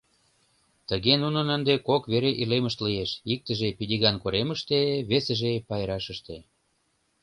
Тыге нунын ынде кок вере илемышт лиеш: иктыже — Пидиган коремыште, весыже — Пайрашыште.